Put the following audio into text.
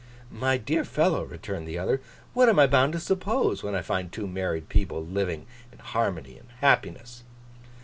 'My dear fellow,' returned the other, 'what am I bound to suppose, when I find two married people living in harmony and happiness?